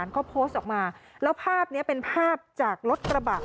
เขาโพสต์ออกมาแล้วภาพนี้เป็นภาพจากรถกระบะ